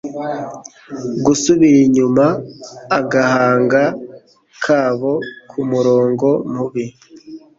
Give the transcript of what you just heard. gusubira inyuma agahanga kabo kumurongo mubi